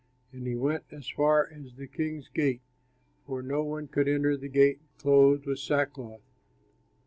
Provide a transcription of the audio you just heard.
And he went as far as the king's gate, for no one could enter the gate clothed with sackcloth.